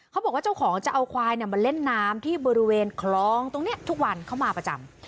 เขาบอกว่าเจ้าของจะเอาควายมาเล่นน้ำที่บริเวณคลองตรงนี้ทุกวันเข้ามาประจำ